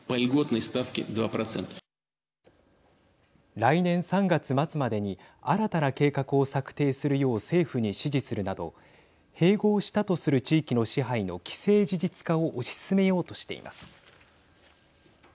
来年３月末までに新たな計画を策定するよう政府に指示するなど併合したとする地域の支配の既成事実化を推し進めようとしています。